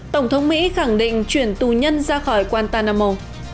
tổng thống mỹ khẳng định chuyển tù nhân ra khỏi wantanamo